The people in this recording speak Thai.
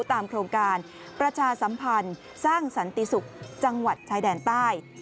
ตามโครงการประชาสัมพันธ์สร้างสันติศุกร์จังหวัดชายแดนใต้